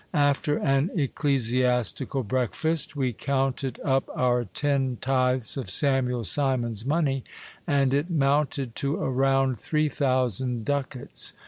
After an ecclesiastical breakfast, we counted up our ten tithes of Samuel Simon's money ; and it mounted to a round three thousand ducats.